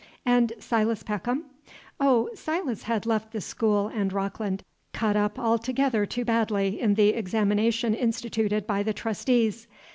"And Silas Peckham?" "Oh, Silas had left The School and Rockland. Cut up altogether too badly in the examination instituted by the Trustees.